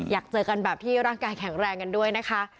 อยากเจอกันแบบที่ร่างกายแข็งแรงกันด้วยนะคะ